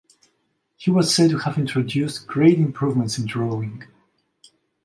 He was said to have introduced great improvements in drawing.